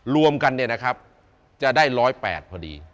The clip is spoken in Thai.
รวมกันจะได้๑๐๘